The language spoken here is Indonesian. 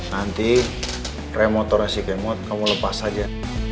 nanti remotornya si kemot kamu lepas aja